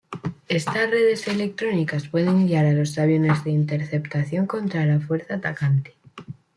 Estas redes electrónicas pueden guiar a los aviones de interceptación contra la fuerza atacante.